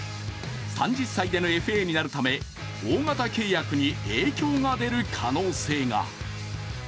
３０歳でのＦＡになるため大型契約に影響が出る可能性が。